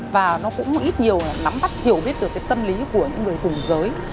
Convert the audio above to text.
và nó cũng một ít nhiều nắm bắt hiểu biết được cái tâm lý của những người cùng giới